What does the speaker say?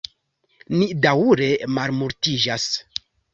Ni daŭre malmultiĝas.